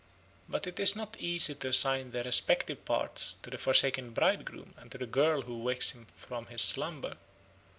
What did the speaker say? But it is not easy to assign their respective parts to the forsaken bridegroom and to the girl who wakes him from his slumber.